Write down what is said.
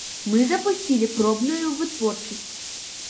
Мы запусцілі пробную вытворчасць.